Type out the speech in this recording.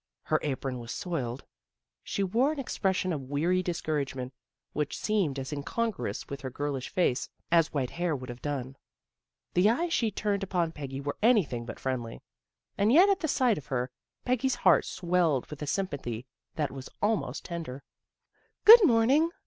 Her apron was soiled. She wore an expression of weary discouragement, which seemed as incongruous with her girlish face as white hair would have done. The eyes she turned upon Peggy were anything but friendly, and yet at the sight of her, Peggy's heart swelled with a sympathy that was almost tender. " Good morning!